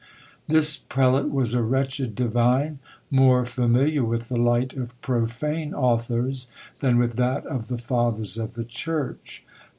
This prelate was a wretched divine, more familiar with the light of profane authors than with that of the fathers of the church.